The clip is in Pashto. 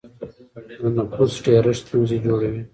د نفوس ډېرښت ستونزې جوړوي.